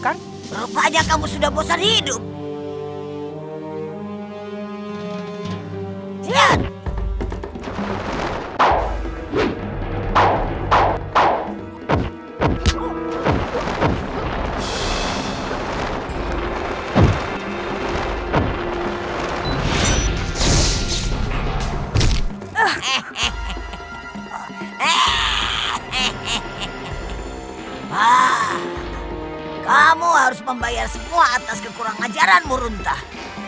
kamu harus membayar semua atas kekurang ajaranmu runtah